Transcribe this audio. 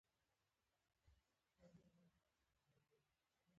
ویده ذهن خیالونه جوړوي